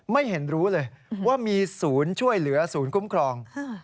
ไม่เห็นรู้เลยว่ามีศูนย์ช่วยเหลือศูนย์คุ้มครอง